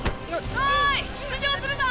おい出場するぞ！